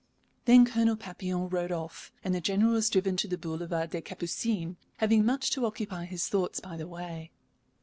Then Colonel Papillon rode off, and the General was driven to the Boulevard des Capucines, having much to occupy his thoughts by the way.